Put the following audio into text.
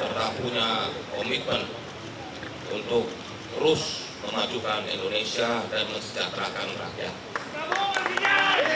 serta punya komitmen untuk terus memajukan indonesia dan mensejahterakan rakyat